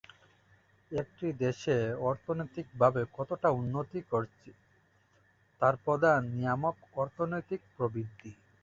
একটি দেশ অর্থনৈতিক ভাবে কতটা উন্নতি করছে তার প্রধান নিয়ামক অর্থনৈতিক প্রবৃদ্ধি।